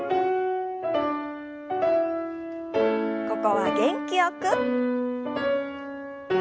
ここは元気よく。